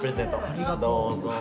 ありがとう。